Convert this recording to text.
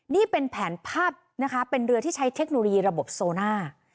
นี่เป็นแผนภาพนะคะเป็นเรือที่ใช้เทคโนโลยีระบบโซน่า